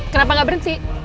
kenapa gak berhenti